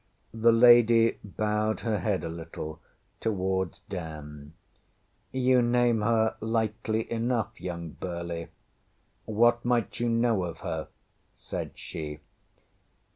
ŌĆÖ The lady bowed her head a little towards Dan. ŌĆśYou name her lightly enough, young Burleigh. What might you know of her? ŌĆÖ said she.